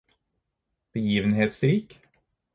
begivenhetsrik